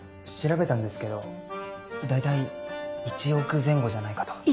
調べたんですけど大体１億前後じゃないかと。